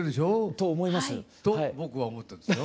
と僕は思ってるんですよ。